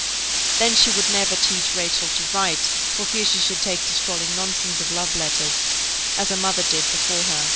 Then she would never teach Rachel to write, for fear she should take to scrawling nonsense of love letters, as her mother did before her.